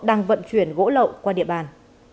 đang vận chuyển gỗ lậu qua địa bàn